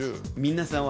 皆さんは。